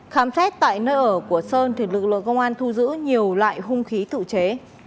khám xét tại nơi ở của sơn lực lượng công an thu giữ nhiều loại hung khí tự chế